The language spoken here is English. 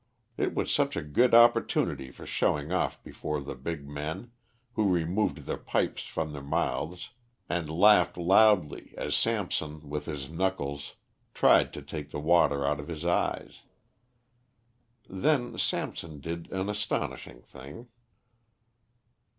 It was such a good opportunity for showing off before the big men, who removed their pipes from their mouths and laughed loudly as Samson with his knuckles tried to take the water out of his eyes. Then Samson did an astonishing thing.